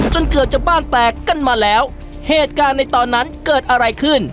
เกือบจะบ้านแตกกันมาแล้วเหตุการณ์ในตอนนั้นเกิดอะไรขึ้น